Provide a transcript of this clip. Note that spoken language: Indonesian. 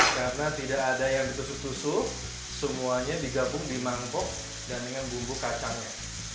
karena tidak ada yang ditusuk tusuk semuanya digabung di mangkok dan dengan bumbu kacangnya